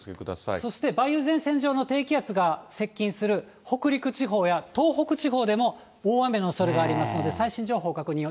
そして梅雨前線上の低気圧が接近する北陸地方や東北地方でも大雨のおそれがありますので、最新情報確認を。